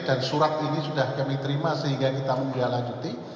dan surat ini sudah kami terima sehingga kita mulia lanjuti